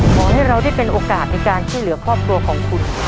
ขอให้เราได้เป็นโอกาสในการช่วยเหลือครอบครัวของคุณ